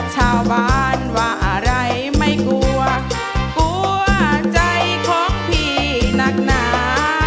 ชาวบ้านว่าอะไรไม่กลัวกลัวใจของพี่นักหนา